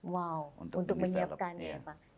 wow untuk menyiapkannya ya pak